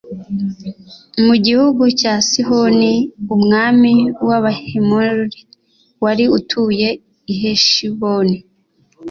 mu gihugu cya sihoni umwami w’abahemori wari utuye i heshiboni.